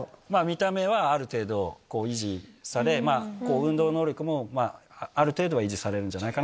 見た目はある程度維持され運動能力もある程度は維持されるんじゃないかな。